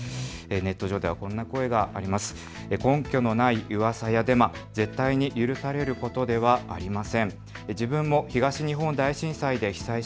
ネット上ではこんな声があります。